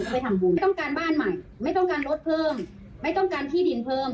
ไปทำบุญไม่ต้องการบ้านใหม่ไม่ต้องการรถเพิ่มไม่ต้องการที่ดินเพิ่ม